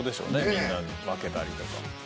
みんなで分けたりとか。